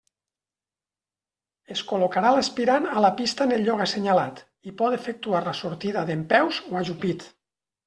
Es col·locarà l'aspirant a la pista en el lloc assenyalat, i pot efectuar la sortida dempeus o ajupit.